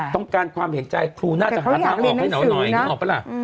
ต้องการความเห็นใจครูน่าจะหาทางออกให้หน่อยแต่เขาอยากเรียนหนังสือเนอะออกปะล่ะอืม